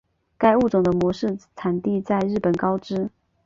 该物种的模式产地在日本高知。